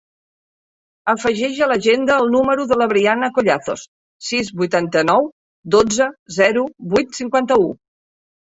Afegeix a l'agenda el número de la Brianna Collazos: sis, vuitanta-nou, dotze, zero, vuit, cinquanta-u.